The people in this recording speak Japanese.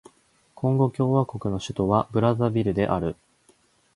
コンゴ共和国の首都はブラザヴィルである